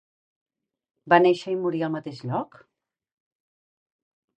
Va néixer i morir al mateix lloc?